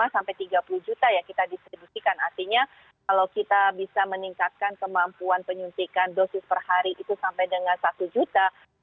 lima sampai tiga puluh juta yang kita distribusikan artinya kalau kita bisa meningkatkan kemampuan penyuntikan dosis per hari itu sampai dengan satu juta